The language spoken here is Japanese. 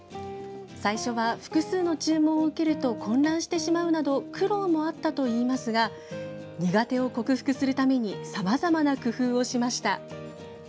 最初は、複数の注文を受けると混乱してしまうなど苦労もあったといいますが苦手を克服するためにさまざまな工夫をしました。